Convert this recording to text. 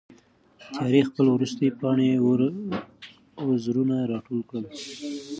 تیارې خپل وروستي پاتې وزرونه را ټول کړل.